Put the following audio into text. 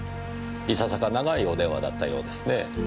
いささか長いお電話だったようですねぇ。